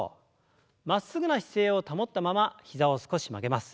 まっすぐな姿勢を保ったまま膝を少し曲げます。